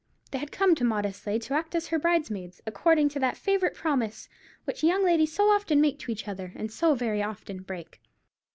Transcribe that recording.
They had come to Maudesley to act as her bridesmaids, according to that favourite promise which young ladies so often make to each other, and so very often break.